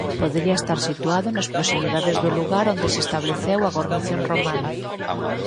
Podería estar situado nas proximidades do lugar onde se estableceu a gornición romana.